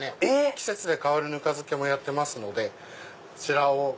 季節で変わるぬか漬けもやってますのでそちらを。